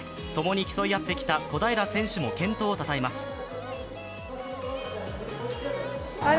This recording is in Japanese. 共に競い合ってきた小平選手も健闘をたたえます。